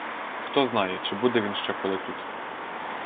Хто знає, чи буде він ще коли тут.